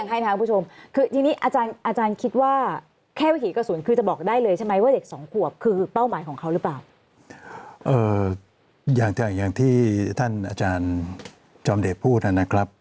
อย่างที่ท่านอาจารย์จอมเดชพูดนะครับ